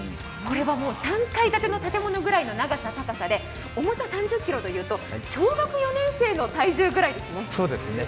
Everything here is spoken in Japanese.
これは３階建ての建物の高さくらいで重さ３０ｋｇというと小学４年生の体重くらいです。